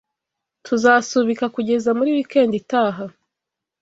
Tuzasubika kugeza muri wekendi itaha